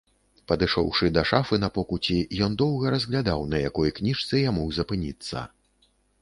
Падышоўшы да шафы на покуці, ён доўга разглядаў, на якой кніжцы яму запыніцца.